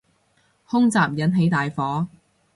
空襲引起大火